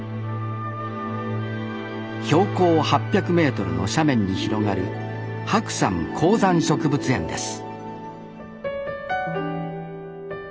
標高８００メートルの斜面に広がる白山高山植物園です